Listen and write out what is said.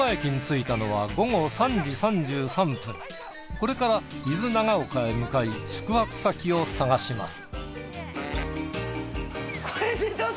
これから伊豆長岡へ向かい宿泊先を探します。